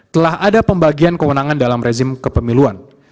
telah ada pembagian kewenangan dalam rezim kepemiluan